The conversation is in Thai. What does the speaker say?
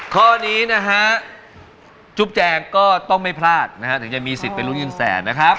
ข้อนี้นะฮะจุ๊บแจงก็ต้องไม่พลาดนะฮะถึงจะมีสิทธิ์ไปลุ้นเงินแสนนะครับ